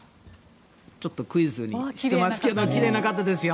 ちょっとクイズにしてますけどきれいな方ですよ！